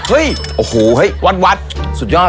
เฮ้ยโอ้โหเฮ้ยวัดสุดยอด